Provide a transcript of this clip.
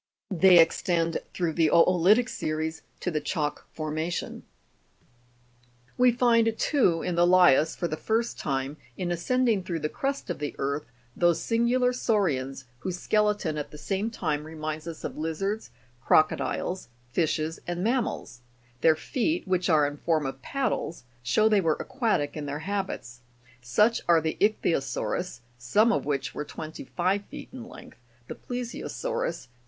They extend through the o'olitic series to the chalk formation. Fig. SQ. 7rigo'Tiia clavella'ta. 39. We find too, in the lias for the first time, in ascending through the crust of the earth, those singular saurians whose ske leton at the same time reminds us of lizards, crocodiles, fishes and mammals ; their feet, which are in form of paddles, show they were aquatic in their habits : such are the Ich'thyosau'rus, (fig> 81), some of which were twenty five feet in length; the Plei'sio sau'rus, (fig.